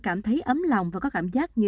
cảm thấy ấm lòng và có cảm giác như